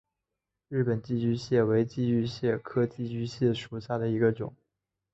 日本寄居蟹为寄居蟹科寄居蟹属下的一个种。